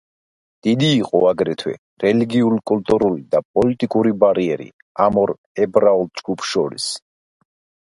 დიდი იყო აგრეთვე რელიგიურ-კულტურული და პოლიტიკური ბარიერი ამ ორ ებრაულ ჯგუფს შორის.